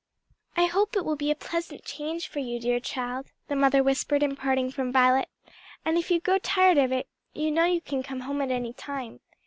"I hope it will be a pleasant change for you, dear child," the mother whispered in parting from Violet, "and if you grow tired of it, you know you can come home at any time.